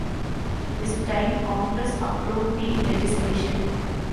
This time Congress approved the legislation.